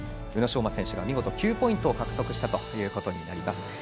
宇野昌磨選手が見事、９ポイント獲得したことになります。